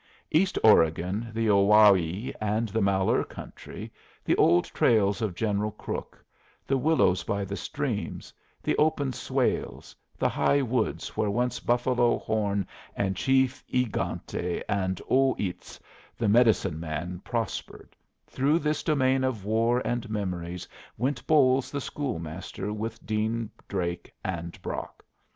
East Oregon, the Owyhee and the Malheur country, the old trails of General Crook, the willows by the streams, the open swales, the high woods where once Buffalo Horn and Chief E egante and O its the medicine man prospered, through this domain of war and memories went Bolles the school master with Dean Drake and Brock.